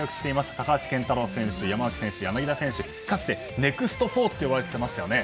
高橋健太郎選手山内選手、柳田選手はかつてＮＥＸＴ４と呼ばれていましたよね。